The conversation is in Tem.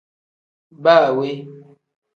Baa we.